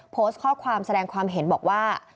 โพสต์ข้อความแสดงความเห็นบอกว่า